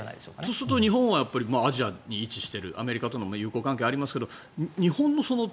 そうすると日本はアジアに位置しているアメリカとの友好関係もありますが、日本の。